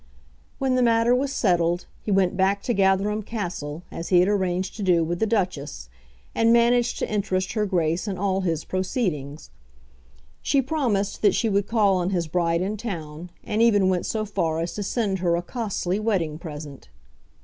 When the matter was settled, he went back to Gatherum Castle, as he had arranged to do with the Duchess, and managed to interest her Grace in all his proceedings. She promised that she would call on his bride in town, and even went so far as to send her a costly wedding present.